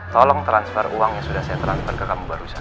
tolong transfer uang yang sudah saya transfer ke kamu barusan